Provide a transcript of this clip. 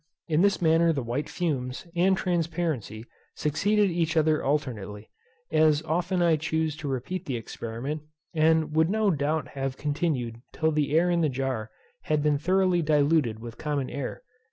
In this manner the white fumes, and transparency, succeeded each other alternately, as often as I chose to repeat the experiment, and would no doubt have continued till the air in the jar had been thoroughly diluted with common air.